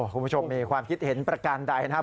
คุณผู้ชมมีความคิดเห็นประการใดนะครับ